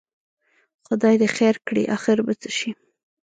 خدای دې خیر کړي، اخر به څه شي؟